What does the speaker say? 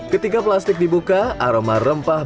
ketika plastik dibuka aroma rempah